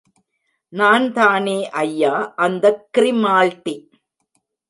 நான்தானே ஐயா, அந்தக் க்ரிமால்டி!